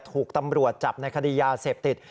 ถูกตำรวจจับในคดียาเสพติด